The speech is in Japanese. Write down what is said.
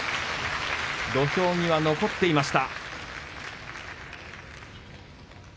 土俵際、残っていました。